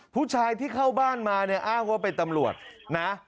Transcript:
ผู้ชายที่เข้าบ้านมาเนี่ยอ้างว่าเป็นตำรวจนะ